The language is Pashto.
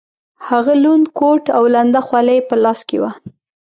هغه لوند کوټ او لنده خولۍ یې په لاس کې وه.